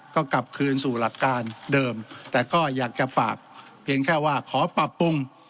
ก็กลับคืนสู่หลักการเดิมแต่ก็อยากจะฝากเพียงแค่ว่าขอปรับปรุง